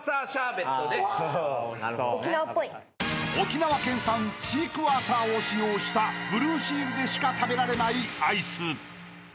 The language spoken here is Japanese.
［沖縄県産シークヮーサーを使用したブルーシールでしか食べられないアイス］